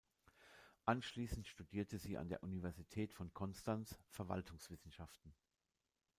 Anschließend studierte sie an der Universität von Konstanz Verwaltungswissenschaften.